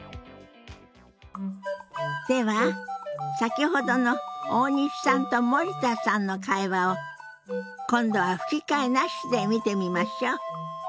では先ほどの大西さんと森田さんの会話を今度は吹き替えなしで見てみましょう。